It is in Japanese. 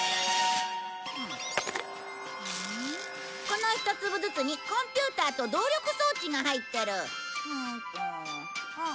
この一粒ずつにコンピューターと動力装置が入ってる。